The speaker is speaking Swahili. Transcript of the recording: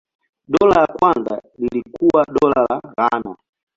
Dola la kwanza lilikuwa Dola la Ghana.